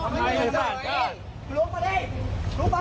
นายอย่าไปต่อยเขา